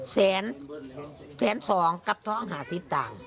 แสนแสนสองกับท่องหละ๑๐ตา